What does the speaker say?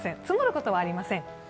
積もることはありません。